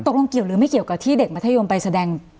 เกี่ยวหรือไม่เกี่ยวกับที่เด็กมัธยมไปแสดง